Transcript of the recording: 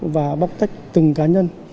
và bóc tách từng cá nhân